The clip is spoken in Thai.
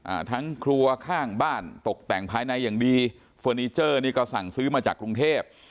อ่าทั้งครัวข้างบ้านตกแต่งภายในอย่างดีเฟอร์นิเจอร์นี่ก็สั่งซื้อมาจากกรุงเทพ